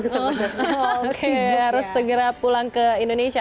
harus segera pulang ke indonesia